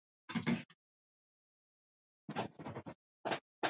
Ni ziara ya kwanza ya Rais Samia Suluhu Hassan nje ya Tanzania